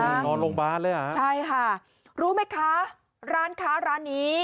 นอนโรงพยาบาลเลยเหรอใช่ค่ะรู้ไหมคะร้านค้าร้านนี้